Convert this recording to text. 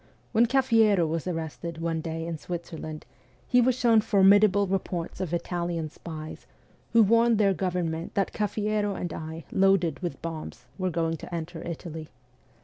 When Cafiero was arrested one day in Switzerland, he was shown formidable reports of Italian spies, who warned their government that Cafiero and I, loaded with bombs, were going to enter Italy.